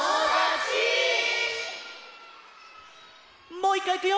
もういっかいいくよ。